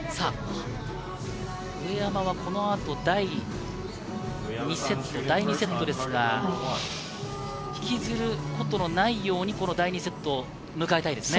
上山はこの後、第２セットですが引きずることのないように第２セットを迎えたいですね。